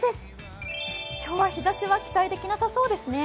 今日は日ざしは期待できなそうですね。